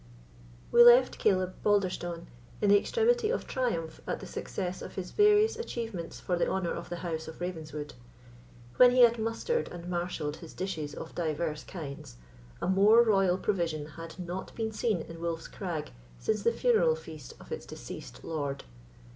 We left Caleb Balderstone in the extremity of triumph at the success of his various achievements for the honour of the house of Ravenswood. When he had mustered and marshalled his dishes of divers kinds, a more royal provision had not been seen in Wolf's Crag since the funeral feast of its deceased lord.